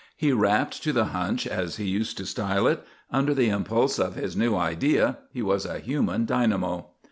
He "rapped" to the hunch, as he used to style it; under the impulse of his new idea he was a human dynamo.